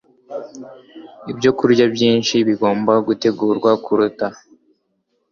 Ibyokurya byinshi bigomba gutegurwa kuruta